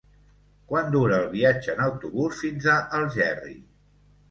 Quant dura el viatge en autobús fins a Algerri?